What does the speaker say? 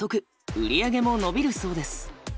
売り上げも伸びるそうです。